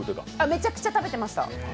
めちゃくちゃ食べてました。